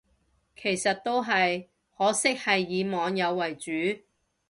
其實都係，可惜係以網友為主